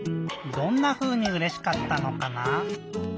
どんなふうにうれしかったのかな？